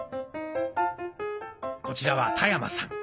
こちらは田山さん。